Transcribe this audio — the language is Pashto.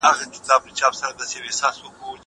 زه کولای شم منډه ووهم!